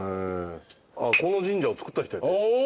この神社を作った人やって。